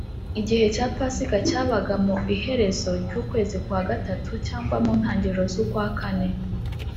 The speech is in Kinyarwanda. . Igihe cya Pasika cyabaga mu iherezo ry’ukwezi kwa gatatu cyagwa mu ntangiriro z’ukwa kane